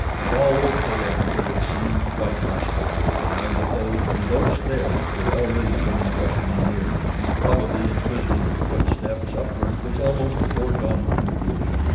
That all Oakdale had heard it seemed quite possible, while that those below stairs were already turning questioning ears, and probably inquisitive footsteps, upward was almost a foregone conclusion.